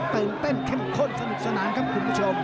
ตื่นเต้นเข้มข้นสนุกสนานครับคุณผู้ชม